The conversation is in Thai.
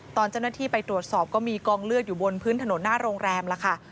ตอนเจ้าหน้าที่ไปตรวจสอบก็มีกองเลือดอยู่บนพื้นถนนหน้าโรงแรมแล้วค่ะ